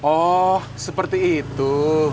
oh seperti itu